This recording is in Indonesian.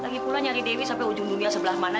lagipula nyari dewi sampai ujung dunia sebelah mana